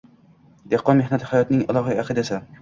Dehqon mehnati hayotning ilohiy aqidasi.